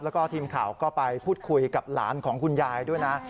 แล้วก็ทีมข่าวก็ไปพูดคุยกับหลานของคุณยายด้วยนะ